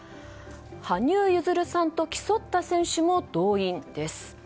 羽生結弦さんと競った選手も動員です。